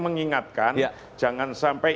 mengingatkan jangan sampai